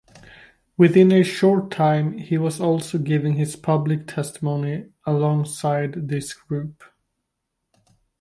Within a short time, he was also giving his public testimony alongside this group.